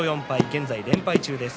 現在、連敗中です。